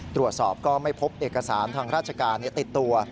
ตรวจสอบก็ไม่พบเอกสารทางราชการติดตัว